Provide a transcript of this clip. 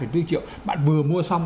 hai ba hai bốn triệu bạn vừa mua xong